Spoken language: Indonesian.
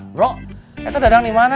bro itu dadang dimana